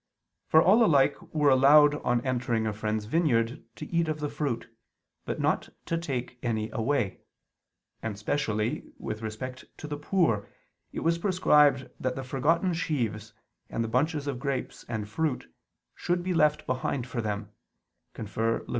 For all alike were allowed on entering a friend's vineyard to eat of the fruit, but not to take any away. And, specially, with respect to the poor, it was prescribed that the forgotten sheaves, and the bunches of grapes and fruit, should be left behind for them (Lev.